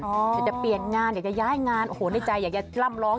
อยากจะเปลี่ยนงานอยากจะย้ายงานโอ้โหในใจอยากจะล่ำร้อง